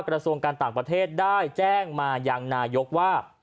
กระทรวงการต่างประเทศได้แจ้งมายังนายกว่า